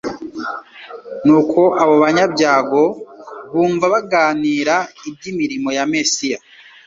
nuko abo banyabyago bumva baganira iby'imirimo ya Mesiya,